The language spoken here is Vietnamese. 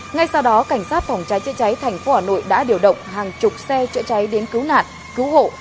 ngay sau đó cảnh sát phòng cháy chữa cháy thành phố hà nội đã điều động hàng chục xe chữa cháy đến cứu nạn cứu hộ